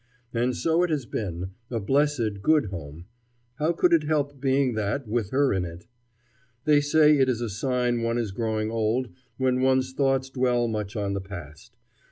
And so it has been; a blessed, good home; how could it help being that with her in it? They say it is a sign one is growing old when one's thoughts dwell much on the past.